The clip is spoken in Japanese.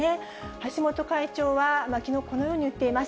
橋本会長はきのう、このように言っています。